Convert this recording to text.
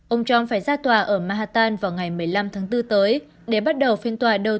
ông trump phải ra tòa ở manhattan vào ngày một mươi năm tháng bốn tới để bắt đầu phiên tòa đầu